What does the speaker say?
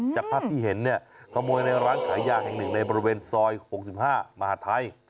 จากภาพที่เห็นเนี่ยขโมยในร้านขายยาแห่งหนึ่งในบริเวณซอย๖๕มหาดไทย